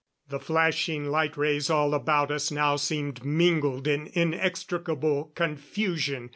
The flashing light rays all about us now seemed mingled in inextricable confusion.